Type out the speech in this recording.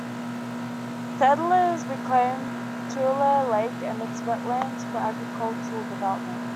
Settlers reclaimed Tulare Lake and its wetlands for agricultural development.